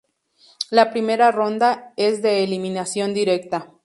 La primera ronda es de eliminación directa.